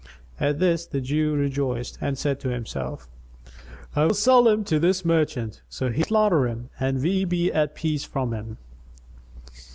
At this the Jew rejoiced and said to himself, "I will sell him to this merchant, so he may slaughter him and we be at peace from him."